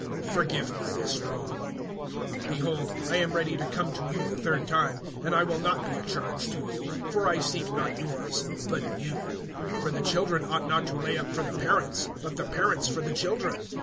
Forgive me this wrong. (14)Behold, I am ready to come to you the third time; and I will not be a charge to you; for I seek not yours, but you; for the children ought not to lay up for the parents, but the parents for the children.